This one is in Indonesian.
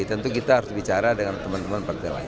tentu kita harus bicara dengan teman teman partai lain